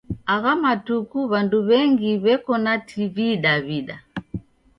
Agha matuku w'andu w'engi w'eko na TV Daw'ida.